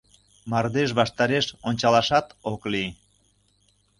Мардеж ваштареш ончалашат ок лий.